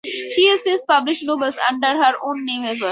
She has since published novels under her own name as well.